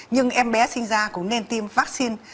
nhưng em bé sinh ra cũng nên tiêm vaccine